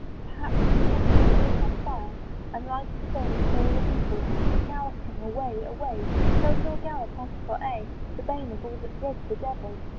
Perhaps, with head and heels on fire, And like the very soul of evil, He's galloping away, away, And so he'll gallop on for aye, The bane of all that dread the devil.